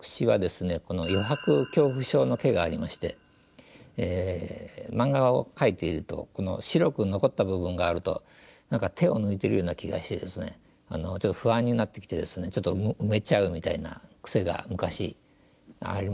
余白恐怖症の気がありまして漫画を描いているとこの白く残った部分があると何か手を抜いてるような気がしてですねちょっと不安になってきてですねちょっと埋めちゃうみたいな癖が昔ありまして。